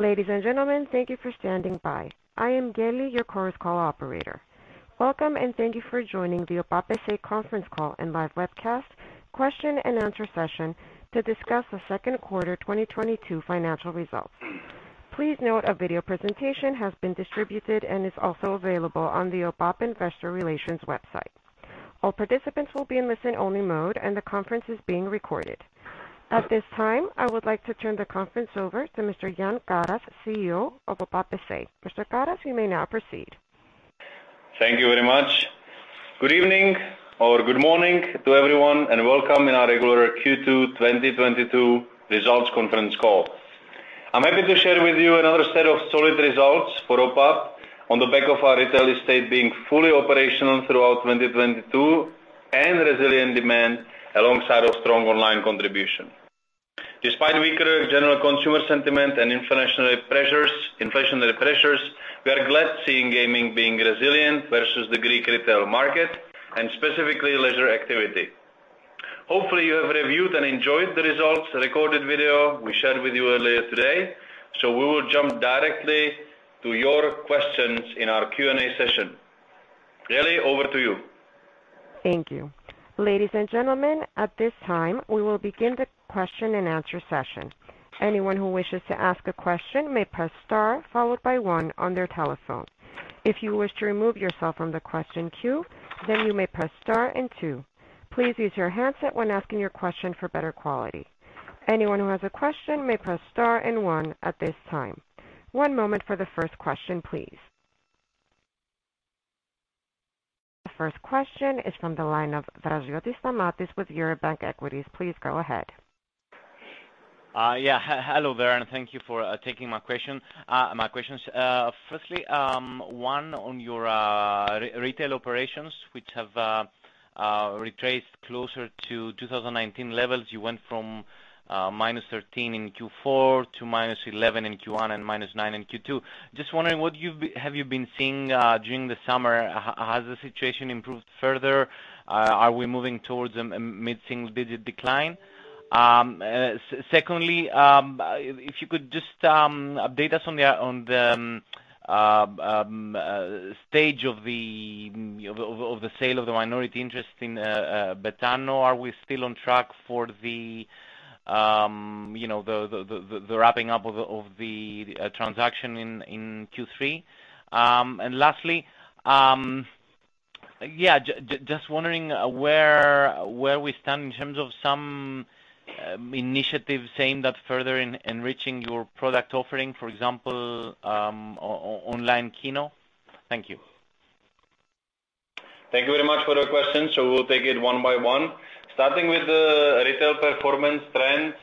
Ladies and gentlemen, thank you for standing by. I am Geli, your current call operator. Welcome, and thank you for joining the OPAP S.A. conference call and live webcast question and answer session to discuss the second quarter 2022 financial results. Please note a video presentation has been distributed and is also available on the OPAP investor relations website. All participants will be in listen-only mode, and the conference is being recorded. At this time, I would like to turn the conference over to Mr. Jan Karas, CEO of OPAP S.A. Mr. Karas, you may now proceed. Thank you very much. Good evening or good morning to everyone, and welcome to our regular Q2 2022 results conference call. I'm happy to share with you another set of solid results for OPAP on the back of our retail estate being fully operational throughout 2022, and resilient demand alongside a strong online contribution. Despite weaker general consumer sentiment and inflationary pressures, we are glad seeing gaming being resilient versus the Greek retail market and specifically leisure activity. Hopefully you have reviewed and enjoyed the results recorded video we shared with you earlier today, so we will jump directly to your questions in our Q&A session. Geli, over to you. Thank you. Ladies and gentlemen, at this time, we will begin the question-and-answer session. Anyone who wishes to ask a question may press star followed by one on their telephone. If you wish to remove yourself from the question queue, then you may press star and two. Please use your handset when asking your question for better quality. Anyone who has a question may press star and one at this time. One moment for the first question, please. The first question is from the line of Stamatios Draziotis with Eurobank Equities. Please go ahead. Hello there, and thank you for taking my question, my questions. Firstly, one on your retail operations, which have retraced closer to 2019 levels. You went from -13% in Q4 to -11% in Q1 and -9% in Q2. Just wondering what you've been seeing during the summer, has the situation improved further? Are we moving towards a mid-single digit decline? Secondly, if you could just update us on the stage of the sale of the minority interest in Betano. Are we still on track for you know the wrapping up of the transaction in Q3? Lastly, just wondering where we stand in terms of some initiatives aimed at further enriching your product offering, for example, online Kino. Thank you. Thank you very much for your question. We'll take it one by one. Starting with the retail performance trends.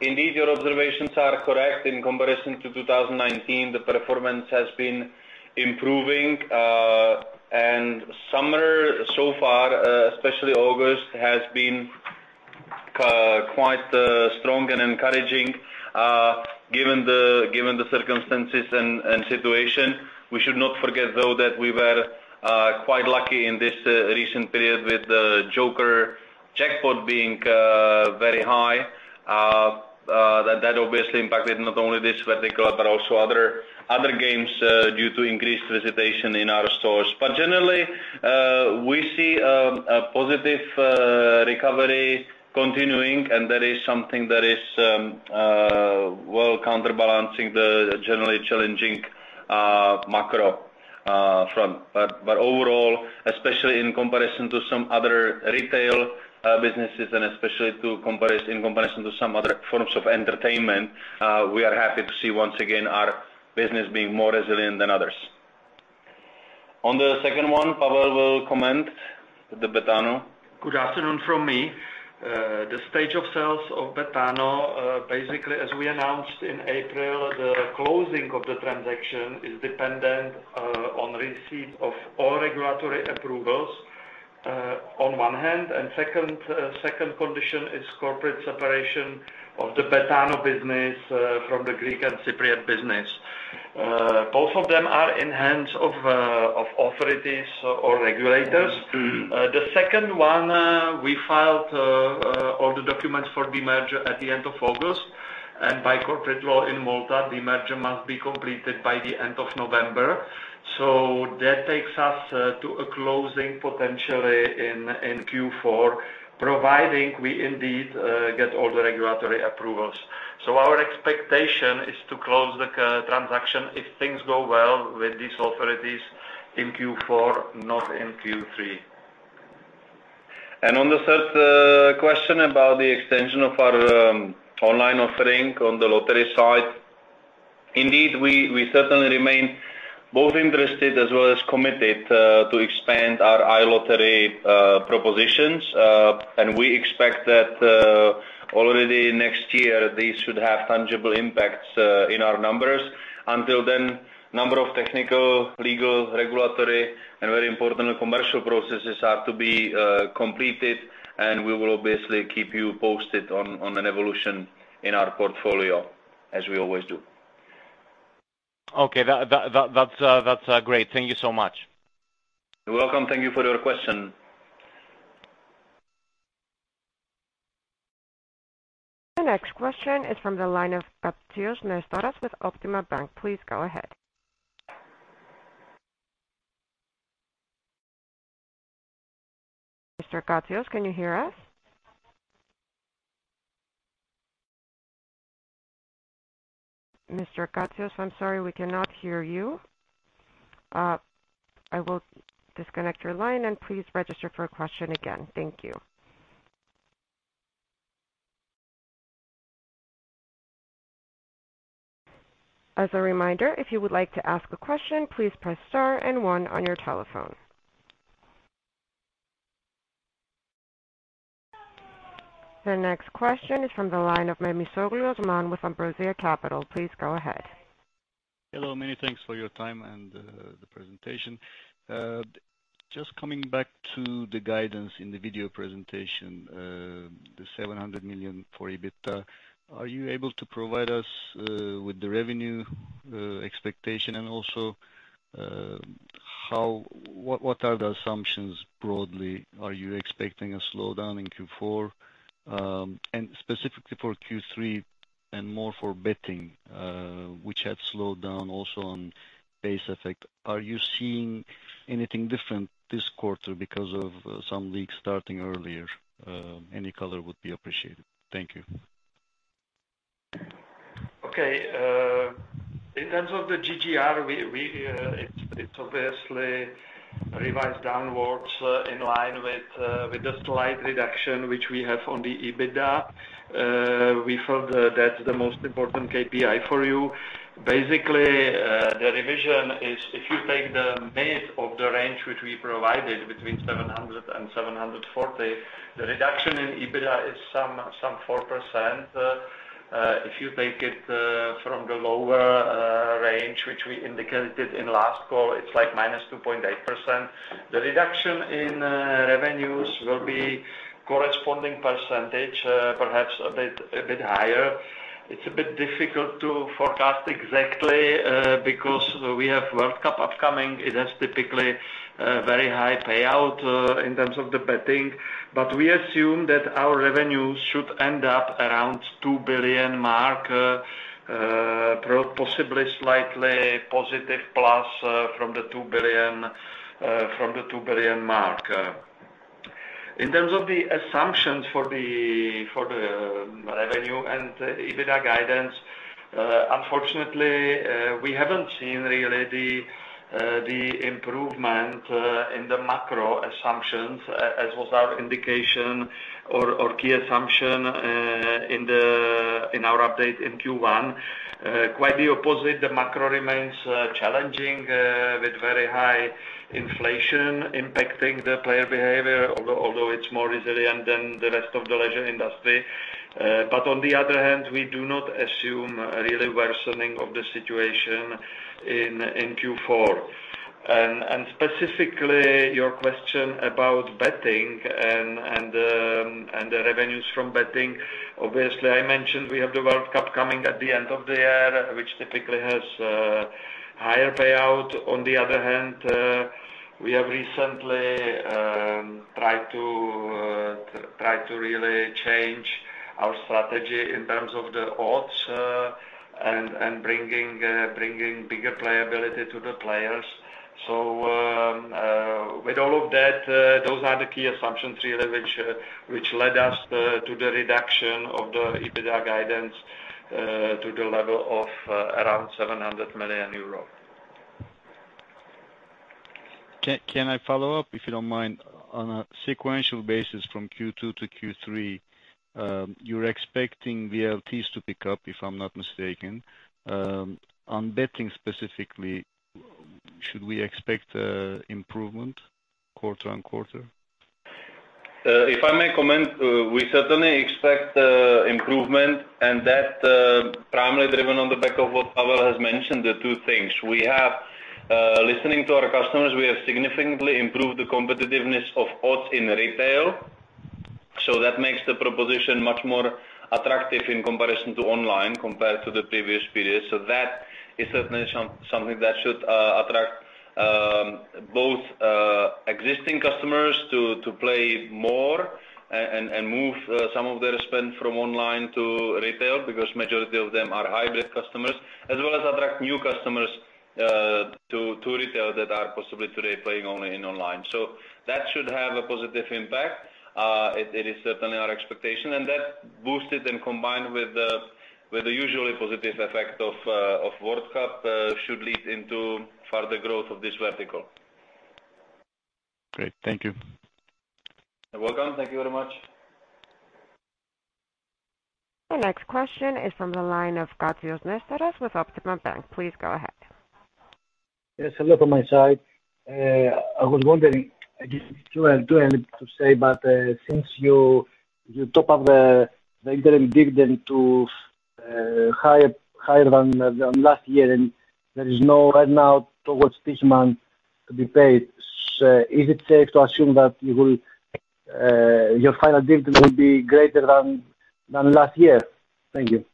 Indeed, your observations are correct. In comparison to 2019, the performance has been improving. Summer so far, especially August, has been quite strong and encouraging, given the circumstances and situation. We should not forget, though, that we were quite lucky in this recent period with the Joker jackpot being very high. That obviously impacted not only this vertical, but also other games due to increased visitation in our stores. Generally, we see a positive recovery continuing, and that is something that is well counterbalancing the generally challenging macro front. Overall, especially in comparison to some other retail businesses and especially in comparison to some other forms of entertainment, we are happy to see once again our business being more resilient than others. On the second one, Pavel will comment, the Betano. Good afternoon from me. The stage of sales of Betano, basically as we announced in April, the closing of the transaction is dependent on receipt of all regulatory approvals on one hand. Second condition is corporate separation of the Betano business from the Greek and Cypriot business. Both of them are in hands of authorities or regulators. The second one, we filed all the documents for the merger at the end of August. By corporate law in Malta, the merger must be completed by the end of November. That takes us to a closing potentially in Q4, providing we indeed get all the regulatory approvals. Our expectation is to close the transaction if things go well with these authorities in Q4, not in Q3. On the third question about the extension of our online offering on the lottery side, indeed, we certainly remain both interested as well as committed to expand our iLottery propositions. We expect that already next year, these should have tangible impacts in our numbers. Until then, number of technical, legal, regulatory, and very important commercial processes have to be completed. We will obviously keep you posted on an evolution in our portfolio as we always do. Okay. That's great. Thank you so much. You're welcome. Thank you for your question. The next question is from the line of Nestoras Katsios with Optima Bank. Please go ahead. Mr. Katsios, can you hear us? Mr. Katsios, I'm sorry we cannot hear you. I will disconnect your line and please register for a question again. Thank you. As a reminder, if you would like to ask a question, please press star and one on your telephone. The next question is from the line of Osman Memisoglu with Ambrosia Capital. Please go ahead. Hello, many thanks for your time and the presentation. Just coming back to the guidance in the video presentation, the 700 million for EBITDA. Are you able to provide us with the revenue expectation? Also, what are the assumptions broadly? Are you expecting a slowdown in Q4? Specifically for Q3 and more for betting, which had slowed down also on base effect. Are you seeing anything different this quarter because of some leagues starting earlier? Any color would be appreciated. Thank you. Okay. In terms of the GGR, it's obviously revised downwards, in line with the slight reduction which we have on the EBITDA. We thought that's the most important KPI for you. Basically, the revision is if you take the mid of the range, which we provided between 700 and 740, the reduction in EBITDA is some 4%. If you take it from the lower range, which we indicated in last call, it's like -2.8%. The reduction in revenues will be corresponding percentage, perhaps a bit higher. It's a bit difficult to forecast exactly, because we have World Cup upcoming. It has typically very high payout in terms of the betting. We assume that our revenues should end up around 2 billion mark, possibly slightly positive plus from the 2 billion mark. In terms of the assumptions for the revenue and the EBITDA guidance, unfortunately, we haven't seen really the improvement in the macro assumptions as was our indication or key assumption in our update in Q1. Quite the opposite, the macro remains challenging with very high inflation impacting the player behavior, although it's more resilient than the rest of the leisure industry. On the other hand, we do not assume a really worsening of the situation in Q4. Specifically your question about betting and the revenues from betting. Obviously, I mentioned we have the World Cup coming at the end of the year, which typically has higher payout. On the other hand, we have recently tried to really change our strategy in terms of the odds, and bringing bigger playability to the players. With all of that, those are the key assumptions really which led us to the reduction of the EBITDA guidance to the level of around 700 million euros. Can I follow up, if you don't mind? On a sequential basis from Q2 to Q3, you're expecting VLTs to pick up, if I'm not mistaken. On betting specifically, should we expect an improvement quarter-over-quarter? If I may comment, we certainly expect improvement and that primarily driven on the back of what Pavel has mentioned, the two things. Listening to our customers, we have significantly improved the competitiveness of odds in retail. So that makes the proposition much more attractive in comparison to online compared to the previous period. That is certainly something that should attract both existing customers to play more and move some of their spend from online to retail, because majority of them are hybrid customers, as well as attract new customers to retail that are possibly today playing only in online. That should have a positive impact. It is certainly our expectation that boosted and combined with the usually positive effect of World Cup should lead into further growth of this vertical. Great. Thank you. You're welcome. Thank you very much. The next question is from the line of Nestoras Katsios with Optima Bank. Please go ahead. Yes, hello from my side. I was wondering if you had anything to say, but since you top up the interim dividend to higher than last year, and there is no right now towards this month to be paid. Is it safe to assume that your final dividend will be greater than last year? Thank you.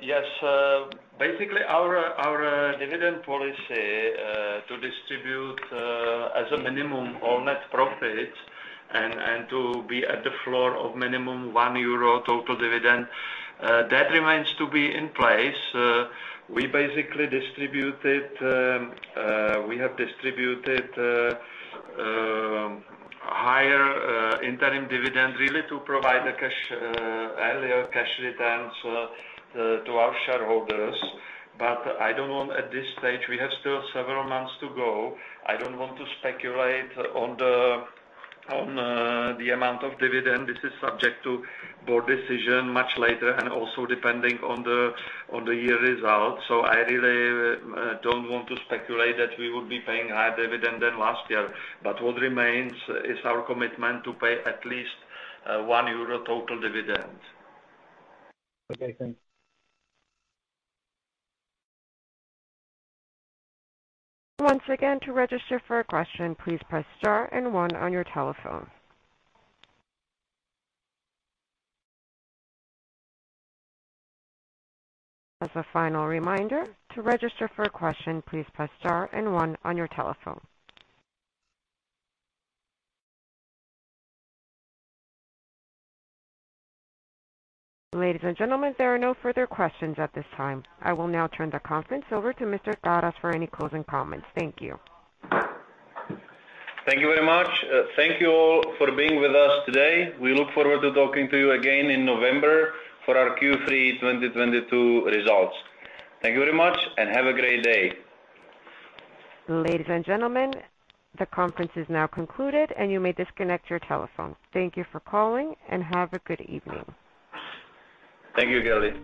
Yes. Basically our dividend policy to distribute as a minimum all net profits and to be at the floor of minimum 1 euro total dividend that remains to be in place. We have distributed higher interim dividend really to provide the cash earlier cash returns to our shareholders. I don't want at this stage, we have still several months to go. I don't want to speculate on the amount of dividend. This is subject to board decision much later and also depending on the year result. I really don't want to speculate that we would be paying higher dividend than last year. What remains is our commitment to pay at least 1 euro total dividend. Okay, thanks. Once again, to register for a question, please press star and one on your telephone. As a final reminder to register for a question, please press star and one on your telephone. Ladies and gentlemen, there are no further questions at this time. I will now turn the conference over to Mr. Karas for any closing comments. Thank you. Thank you very much. Thank you all for being with us today. We look forward to talking to you again in November for our Q3 2022 results. Thank you very much and have a great day. Ladies and gentlemen, the conference is now concluded and you may disconnect your telephone. Thank you for calling and have a good evening. Thank you, Geli.